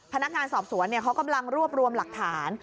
พนักงานสอบสวนเขากำลังรวบรวมหลักฐาน